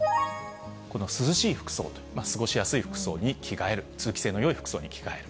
この涼しい服装と、過ごしやすい服装に着替える、通気性のいい服装に着替える。